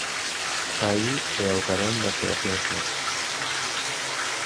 Aí e ao carón das xeracións mozas.